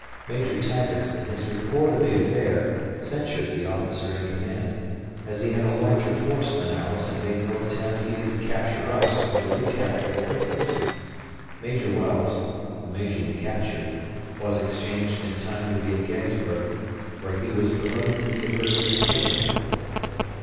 Major Taggart, in his report of the affair, censured the officer in command, as he had a larger force than ours and made no attempt either to capture us or to recapture the prisoners. Major Wells, the major we captured, was exchanged in time to be at Gettysburg where he was promoted to be a brigadier general.